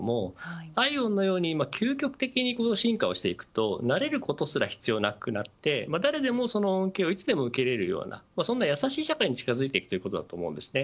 ＩＷＯＮのように究極的に浸透していくと慣れることすら必要なくなって誰でもその恩恵をいつでも受けられるようなやさしい社会に近づきていきます。